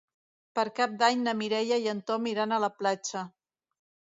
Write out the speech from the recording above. Per Cap d'Any na Mireia i en Tom iran a la platja.